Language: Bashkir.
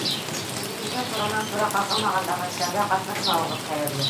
Үҙегеҙгә туранан-тура ҡағылмаған бәхәстәрҙә ҡатнашмауығыҙ хәйерле.